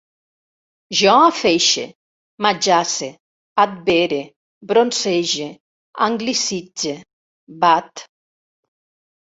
Jo afeixe, m'ajace, advere, bronzege, anglicitze, bat